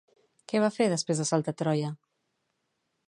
Què va fer després d'assaltar Troia?